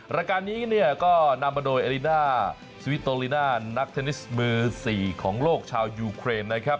รายการนี้เนี่ยก็นำมาโดยอลิน่าสวิโตลิน่านักเทนนิสมือ๔ของโลกชาวยูเครนนะครับ